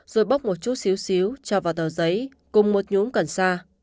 rồi bóc một chút xíu xíu cho vào tờ giấy cùng một nhốm cần sa